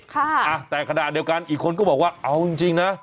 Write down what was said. แต่ขณะเดียวกันอีกคนก็บอกว่าเอาจริงนะ